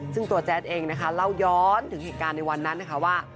ซึ่งตัวแจ๊ดเองนะคะเล่าย้อนถึงเหตุการณ์ในวันนั้นนะคะว่า